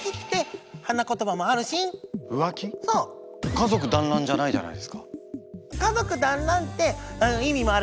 「家族だんらん」じゃないじゃないですか。